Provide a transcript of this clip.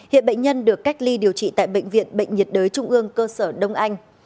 hiện bệnh nhân được cách ly điều trị tại bệnh viện bệnh nhiệt đới trung ương cơ sở đông anh